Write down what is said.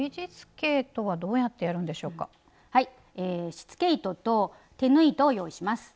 しつけ糸と手縫い糸を用意します。